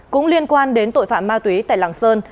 cũng liên quan đến tội phạm ma túy tại lạng sơn